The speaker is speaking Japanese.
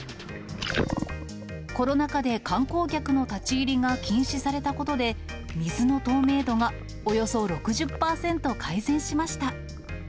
コロナ禍で観光客の立ち入りが禁止されたことで、水の透明度がおよそ６０％改善しました。